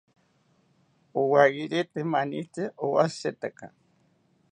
Owayerite manitzi owashiretaka